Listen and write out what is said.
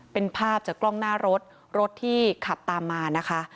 เป็นภาพจากกล้องหน้ารถรถที่ขับตามมานะคะ